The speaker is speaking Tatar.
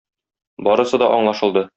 Барысы да аңлашылды.